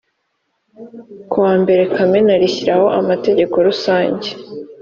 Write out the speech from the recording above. kuwa mbere kamena rishyiraho amategeko rusange